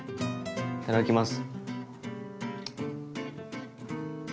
いただきます。